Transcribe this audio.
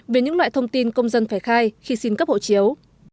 về những loại thông tin công dân phải khai khi xin cấp hộ chiếu